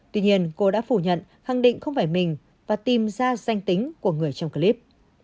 tuy nhiên cô đã phủ nhận khẳng định không phải mình và tìm ra danh tính của người trong clip